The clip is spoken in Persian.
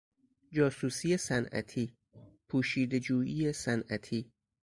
جاسوسی صنعتی، پوشیده جویی صنعتی